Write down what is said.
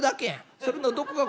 それのどこが攻撃。